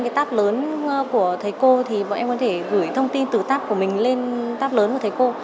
cái táp lớn của thầy cô thì bọn em có thể gửi thông tin từ táp của mình lên táp lớn của thầy cô